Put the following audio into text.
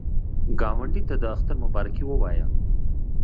ګاونډي ته د اختر مبارکي ووایه